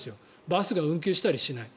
バスが運休したりしない。